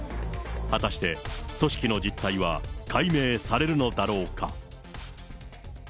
果たして組織の実態は解明されるのだろうか。